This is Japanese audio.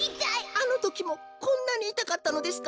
あのときもこんなにいたかったのですか。